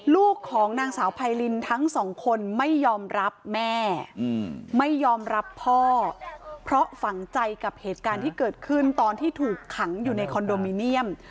ลูกของนางสาวไพรินทั้งสองคนไม่ยอมรับแม่ไม่ยอมรับพ่อเพราะฝังใจกับเหตุการณ์ที่เกิดขึ้นตอนที่ถูกขังอยู่ในคอนโดมิเนียม